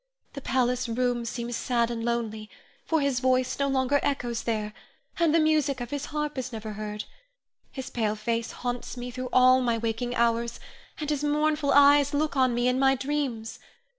The palace rooms seem sad and lonely, for his voice no longer echoes there, and the music of his harp is never heard. His pale face haunts me through all my waking hours, and his mournful eyes look on me in my dreams.